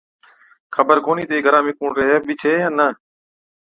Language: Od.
خبر ڪونهِي تہ اي گھرا ۾ ڪُوڻ ريهَي بِي ڇَي يان نہ۔